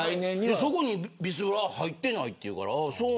そこにビスブラは入ってないというから。